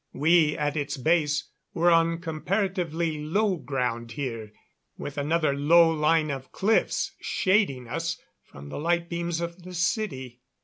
We, at its base, were on comparatively low ground here, with another low line of cliffs shading us from the light beams of the city.